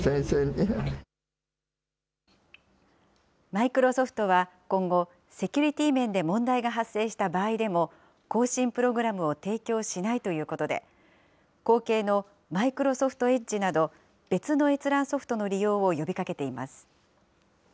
マイクロソフトは今後、セキュリティー面で問題が発生した場合でも、更新プログラムを提供しないということで、後継のマイクロソフトエッジなど、別の閲覧ソフトの利用を呼びかけています。